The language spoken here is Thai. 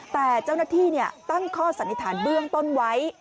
แต่เจ้าหน้าที่ตั้งข้อสันนิษฐานเบื้องต้นไว้